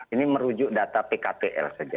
ini merujuk data pktl saja